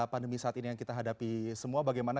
pandemi saat ini yang kita hadapi semua bagaimana